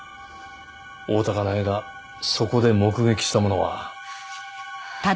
大多香苗がそこで目撃したものは。